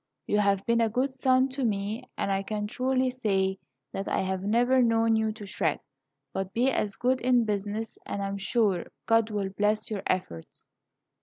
You have been a good son to me, and I can truly say that I have never known you to shirk. Be as good in business, and I am sure God will bless your efforts."